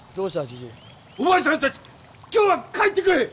じじい。お前さんたち今日は帰ってくれ！